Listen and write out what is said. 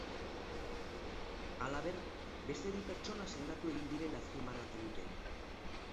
Halaber, beste bi pertsona sendatu egin direla azpimarratu dute.